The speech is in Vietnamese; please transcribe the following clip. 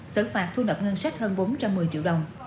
xử phạt thu nộp ngân sách hơn bốn trăm một mươi triệu đồng